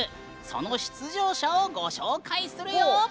その出場者をご紹介するよ。